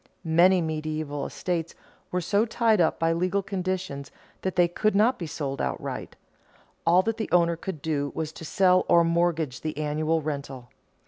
Many medieval estates were so tied up by legal conditions that they could not be sold outright; all that the owner could do was to sell or mortgage the annual rental.